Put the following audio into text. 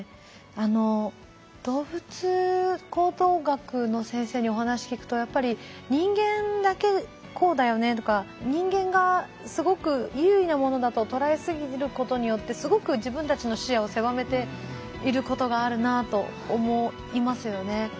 あの動物行動学の先生にお話聞くとやっぱり人間だけこうだよねとか人間がすごく優位なものだと捉えすぎることによってすごく自分たちの視野を狭めていることがあるなと思いますよね。